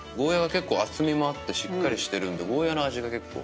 結構厚みもあってしっかりしてるんでゴーヤの味が結構。